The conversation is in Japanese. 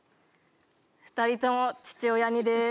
２人とも父親似です